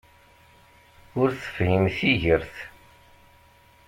Ur tefhim tigert!